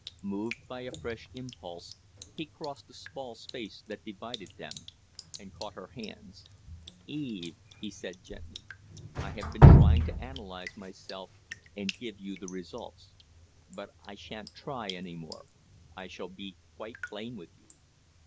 Moved by a fresh impulse, he crossed the small space that divided them and caught her hands. "Eve," he said, gently, "I have been trying to analyze myself and give you the results; but I sha'n't try any more; I shall be quite plain with you.